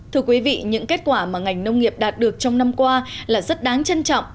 thưa quý vị những kết quả mà ngành nông nghiệp đạt được trong năm qua là rất đáng trân trọng